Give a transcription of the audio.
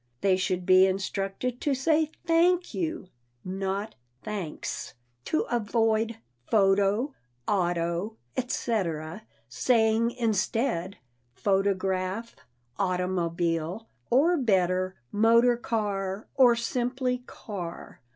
They should be instructed to say "Thank you," not "Thanks," to avoid "photo," "auto," etc., saying instead "photograph," "automobile," or better, "motor car," or simply "car."